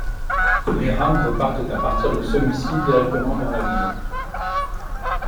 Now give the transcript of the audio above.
Les rames repartent à partir de celui-ci directement vers la ville.